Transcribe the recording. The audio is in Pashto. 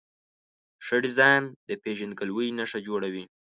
ښه ډیزاین د پېژندګلوۍ نښه جوړوي.